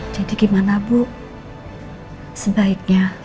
jadi gimana bu sebaiknya